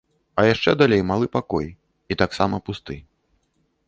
А яшчэ далей малы пакой, і таксама пусты.